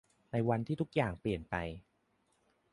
ในวันที่ทุกอย่างเปลี่ยนไป